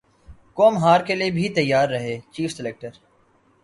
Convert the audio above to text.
قوم ہار کیلئے بھی تیار رہے چیف سلیکٹر